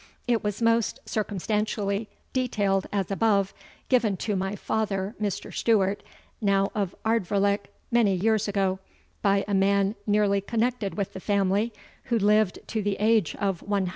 It was most circumstantially detailed as above, given to my father, Mr. Stewart, now of Ardvoirlich, many years ago, by a man nearly connected with the family, who lived to the age of 100.